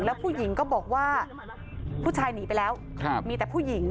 แล้วผู้หญิงก็บอกว่าผู้ชายหนีไปแล้วมีแต่ผู้หญิง